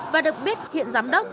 và được biết hiện giám đốc